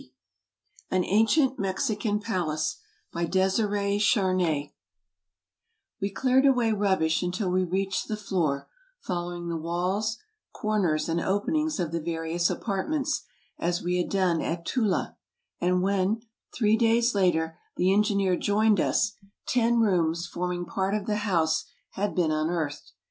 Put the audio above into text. AMERICA An Ancient Mexican Palace By DESIRE CHARNAY WE cleared away rubbish until we reached the floor, fol lowing the walls, corners, and openings of the vari ous apartments, as we had done at Tula; and when, three days later, the engineer joined us, ten rooms, forming part of the house, had been unearthed.